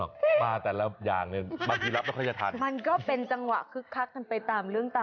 สวัสดีคุณลุง